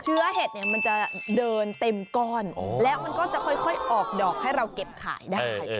เห็ดเนี่ยมันจะเดินเต็มก้อนแล้วมันก็จะค่อยออกดอกให้เราเก็บขายได้